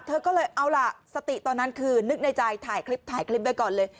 เธอก็เลยเอาล่ะสติตอนนั้นคือนึกในใจถ่ายคลิปถ่ายคลิปไว้ก่อนเลย